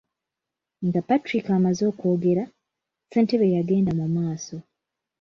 Nga Patrick amaze okwogera, ssentebe yagenda mu maaso.